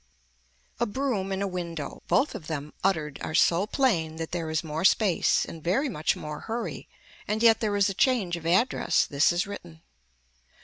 A broom and a window, both of them uttered are so plain that there is more space and very much more hurry and yet there is a change of address, this is written.